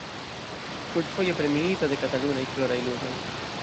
Multfoje premiita de Katalunaj Floraj Ludoj.